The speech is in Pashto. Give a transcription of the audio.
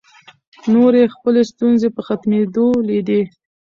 نورې یې خپلې ستونزې په ختمېدو لیدې.